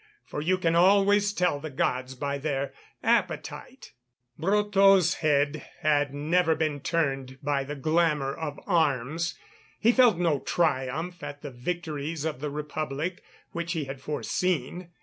For you can always tell the gods by their appetite." Brotteaux's head had never been turned by the glamour of arms. He felt no triumph at the victories of the Republic, which he had foreseen.